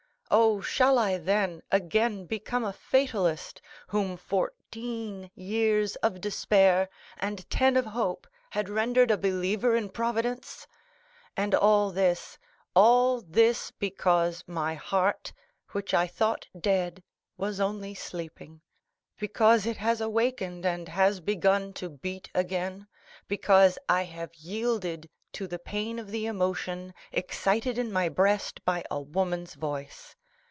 Oh, shall I then, again become a fatalist, whom fourteen years of despair and ten of hope had rendered a believer in Providence? "And all this—all this, because my heart, which I thought dead, was only sleeping; because it has awakened and has begun to beat again, because I have yielded to the pain of the emotion excited in my breast by a woman's voice.